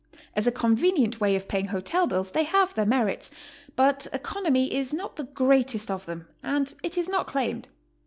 As a convenient way of paying hotel bills they have their merits, but economy is not the greatest of them, and it is not claimed.